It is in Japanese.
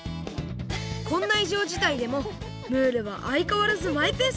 こんないじょうじたいでもムールはあいかわらずマイペースだったよね